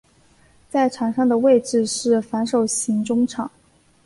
在场上的位置是防守型中场。